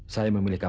saya memilih kamar